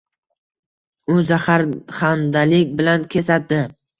U zaxarxandalik bilan kesatdi